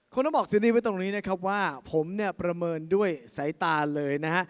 คุณต้องบอกซีรีส์ไว้ตรงนี้นะครับว่าผมเนี่ยประเมินด้วยสายตาเลยนะฮะ